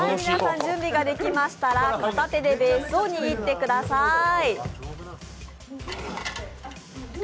皆さん準備ができましたら、片手でベースを握ってください。